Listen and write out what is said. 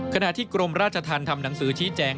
ขณะที่กรมราชธรรมทำหนังสือชี้แจง